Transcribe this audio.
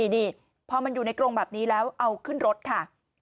นี่พอมันอยู่ในกรงแบบนี้แล้วเอาขึ้นรถค่ะ